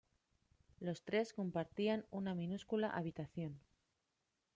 Los tres compartían una minúscula habitación.